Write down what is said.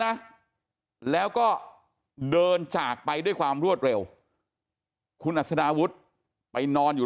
นะแล้วก็เดินจากไปด้วยความรวดเร็วคุณอัศดาวุฒิไปนอนอยู่